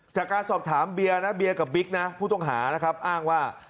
จากการสอบถามเบียร์นะเบียร์กับบิ๊กนะผู้ต้องหานะครับอ้างว่า